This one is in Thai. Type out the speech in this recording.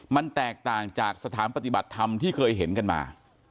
มันแตกต่างจากสถานปฏิบัติธรรมที่เคยเห็นกันมา